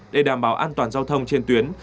để đảm bảo an toàn giao thông trên tuyến